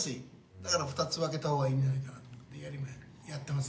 だから２つ分けた方がいいんじゃないかなと思ってやっています